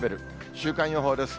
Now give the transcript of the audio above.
週間予報です。